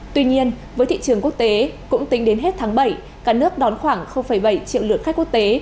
tuy nhiên với thị trường quốc tế cũng tính đến hết tháng bảy cả nước đón khoảng bảy triệu lượt khách quốc tế